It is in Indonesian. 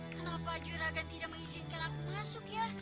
kenapa juragan tidak mengizinkan aku masuk ya